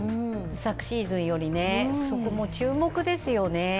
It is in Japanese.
昨シーズンよりね、そこも注目ですよね。